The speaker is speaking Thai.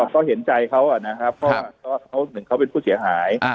ก็เห็นใจเขานะครับเพราะหนึ่งเขาเป็นผู้เสียหาย